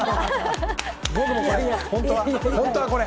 僕も本当はこれ！